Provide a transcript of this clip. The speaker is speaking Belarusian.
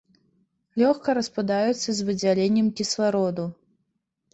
Лёгка распадаюцца з выдзяленнем кіслароду.